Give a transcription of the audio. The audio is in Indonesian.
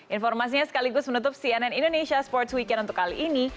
informasinya sekaligus menutup cnn indonesia sports weekend untuk kali ini